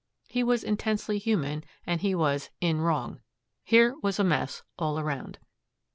He was intensely human and he was "in wrong." Here was a mess, all around.